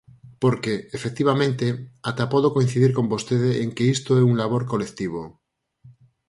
Porque, efectivamente, ata podo coincidir con vostede en que isto é un labor colectivo.